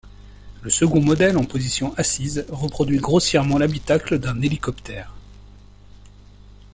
Le second modèle, en position assise, reproduit grossièrement l'habitacle d'un hélicoptère.